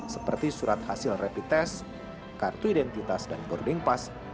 seperti surat hasil rapid test kartu identitas dan boarding pass